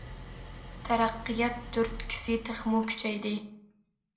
تەرەققىيات تۈرتكىسى تېخىمۇ كۈچەيدى.